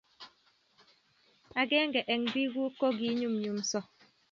Agennge eng biik ug ko kiingunynyuso